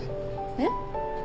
えっ？